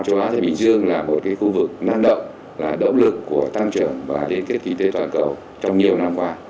châu á thái bình dương là một khu vực năng động là động lực của tăng trưởng và liên kết kinh tế toàn cầu trong nhiều năm qua